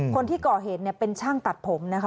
คนที่ก่อเหตุเนี่ยเป็นช่างตัดผมนะคะ